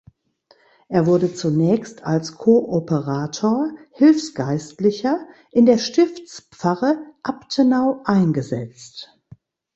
Er wurde zunächst als Kooperator (Hilfsgeistlicher) in der Stiftspfarre Abtenau eingesetzt.